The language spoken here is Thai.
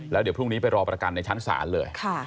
แล้วเดี๋ยวพรุ่งนี้ไปรอประกันในชั้นศาลเลย